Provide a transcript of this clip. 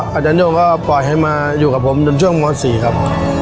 อาจารย์โย่งก็ปล่อยให้มาอยู่กับผมจนช่วงม๔ครับ